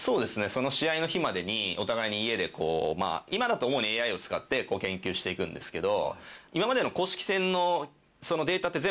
その試合の日までにお互いに家でこう今だと主にＡＩを使って研究していくんですけど。